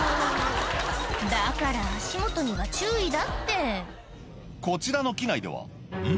だから足元には注意だってこちらの機内ではん？